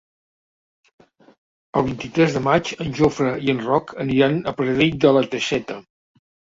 El vint-i-tres de maig en Jofre i en Roc aniran a Pradell de la Teixeta.